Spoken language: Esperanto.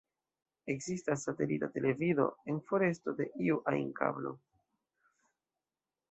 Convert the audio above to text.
Ekzistas satelita televido, en foresto de iu ajn kablo.